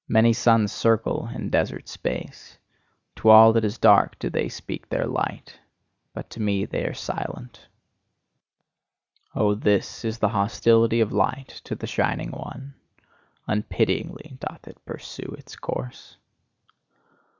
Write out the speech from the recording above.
Many suns circle in desert space: to all that is dark do they speak with their light but to me they are silent. Oh, this is the hostility of light to the shining one: unpityingly doth it pursue its course.